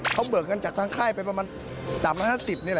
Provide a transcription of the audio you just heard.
เขาเบิกเงินจากทางค่ายไปประมาณ๓๕๐นี่แหละ